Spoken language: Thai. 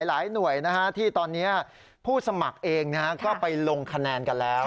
หลายหน่วยที่ตอนนี้ผู้สมัครเองก็ไปลงคะแนนกันแล้ว